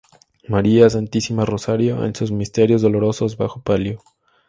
María Santísima Rosario en sus Misterios Dolorosos bajo palio.